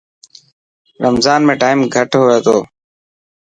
رمضان ۾ ٽائم گهٽ هئي تو.